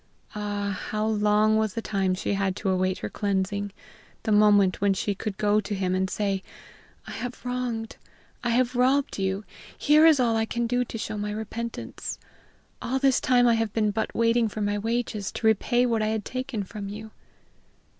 Ah, how long was the time she had to await her cleansing, the moment when she could go to him and say, "I have wronged, I have robbed you; here is all I can do to show my repentance. All this time I have been but waiting for my wages, to repay what I had taken from you."